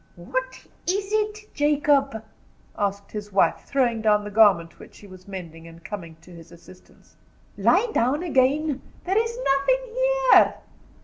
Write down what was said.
"What is it, Jacob?" asked his wife, throwing down the garment which she was mending, and coming to his assistance. "Lie down again. There is nothing here."